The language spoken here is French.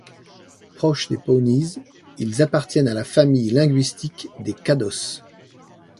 Proche des Pawnees, ils appartiennent à la famille linguistique des Caddos.